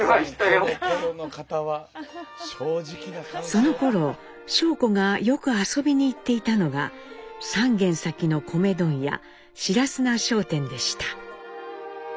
そのころ尚子がよく遊びに行っていたのが３軒先の米問屋白砂商店でした。